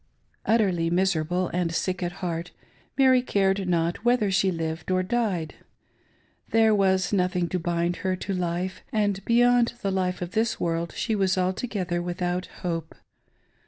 Utterly miserable and sick at heart, Mary cared not whether she lived or died. There was nothing to bind her to life, and beyond the life of this world she was altogether with out hope.